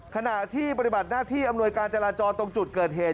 ขณะที่ปฏิบัติหน้าที่อำนวยการจราจรตรงจุดเกิดเหตุ